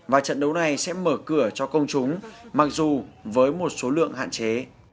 và trận đấu này sẽ mở cửa cho công chúng mặc dù với một số lượng hạn chế